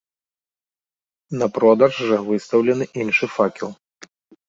На продаж жа выстаўлены іншы факел.